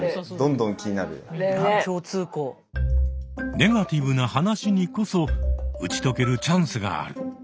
ネガティブな話にこそ打ち解けるチャンスがある。